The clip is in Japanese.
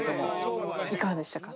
いかがでしたか？